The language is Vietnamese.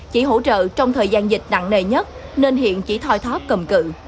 chỉ hỗ trợ trong thời gian dịch nặng nề nhất nên hiện chỉ thoi thóp cầm cự